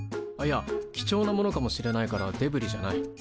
いや貴重なものかもしれないからデブリじゃない。